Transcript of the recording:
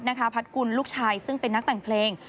บริษัทภัฏกุลลูกชายซึ่งเป็นนักแต่งเพลง